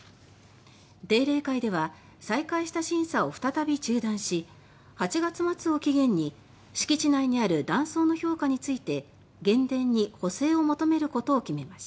定例会では再開した審査を再び中断し８月末を期限に敷地内にある断層の評価について原電に補正を求めることを決めました。